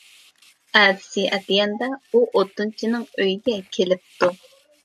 ئەتىسى ئەتىگەندە، ئۇ ئوتۇنچىنىڭ ئۆيىگە كېلىپتۇ.